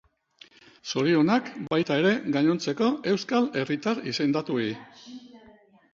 Zorionak, baita ere, gainontzeko euskal herritar izendatuei.